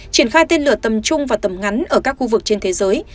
triển khai tên lửa tầm trung và tầm ngắn ở các khu vực trên thế giới